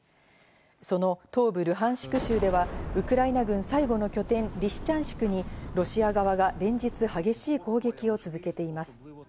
その東部ルハンシク州では、ウクライナ軍最後の拠点リシチャンシクに、ロシア側が連日激しい攻撃を続けています。